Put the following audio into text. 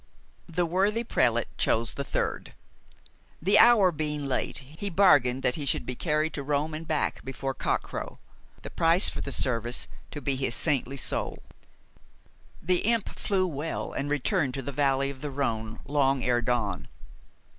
The worthy prelate chose the third. The hour being late, he bargained that he should be carried to Rome and back before cockcrow, the price for the service to be his saintly soul. The imp flew well, and returned to the valley of the Rhone long ere dawn.